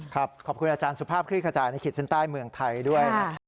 ครับขอบคุณอาจารย์สุภาพคลิกระจายในขีดเส้นใต้เมืองไทยด้วย